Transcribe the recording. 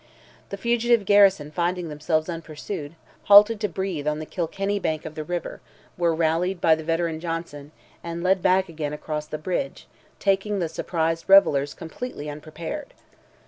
The fugitive garrison finding themselves unpursued, halted to breathe on the Kilkenny bank of the river, were rallied by the veteran Johnson, and led back again across the bridge, taking the surprised revellers completely unprepared.